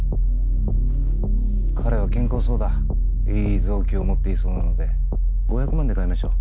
彼は健康そうだいい臓器を持っていそうなので５００万で買いましょう。